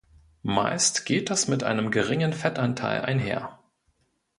Meist geht das mit einem geringen Fettanteil einher.